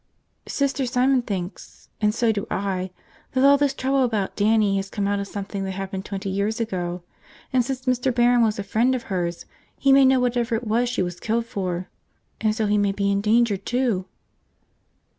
"Sister Simon thinks – and so do I – that all this trouble about Dannie has come out of something that happened twenty years ago. And since Mr. Barron was a friend of hers, he may know whatever it was she was killed for, and so he may be in danger, too!"